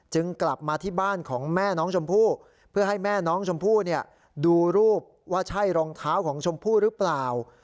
กลับมาที่บ้านของแม่น้องชมพู่เพื่อให้แม่น้องชมพู่ดูรูปว่าใช่รองเท้าของชมพู่หรือเปล่า